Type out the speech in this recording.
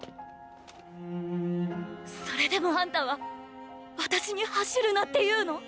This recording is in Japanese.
それでもあんたは私に走るなって言うの？